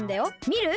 みる？